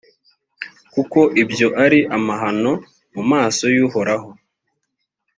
kuko ibyo ari amahano mu maso y’uhoraho.